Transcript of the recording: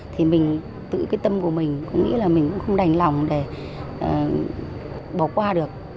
thì mình tự cái tâm của mình cũng nghĩ là mình cũng không đành lòng để bỏ qua được